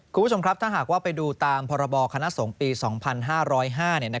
คุณผู้ชมครับถ้าหากว่าไปดูตามพรบคณะสงฆ์ปี๒๕๐๕